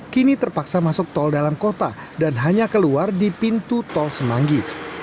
kini terpaksa masuk tol dalam kota dan hanya keluar di pintu tol semanggi